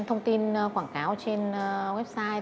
thông tin quảng cáo trên website